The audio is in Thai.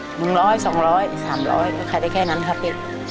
หนึ่งร้อยสองร้อยสามร้อยก็ขายได้แค่นั้นครับพี่